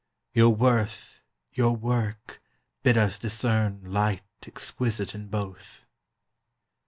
Your worth, your work, bid us discern Light exquisite in both.